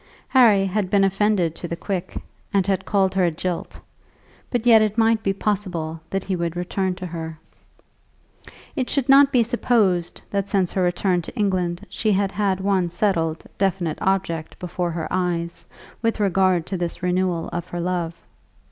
Harry had been offended to the quick, and had called her a jilt; but yet it might be possible that he would return to her. It should not be supposed that since her return to England she had had one settled, definite object before her eyes with regard to this renewal of her love.